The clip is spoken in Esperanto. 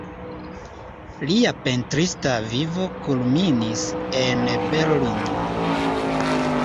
Lia pentrista vivo kulminis en Berlino.